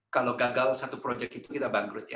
kalau gagal satu proyek itu kita bangkrut ya